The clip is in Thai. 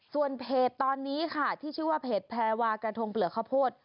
ส่วนเพจตอนนี้ครับที่ชื่อว่าเพจเผลวากันทงเป๋ลขะโพด